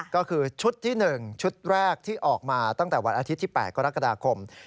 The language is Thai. ก็คือชุดที่๑ชุดแรกที่ออกมาตั้งแต่วันอาทิตย์ที่๘กรกฎาคม